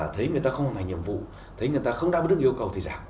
thấy người ta không đáng nhiệm vụ thấy người ta không đáp đức yêu cầu thì giảm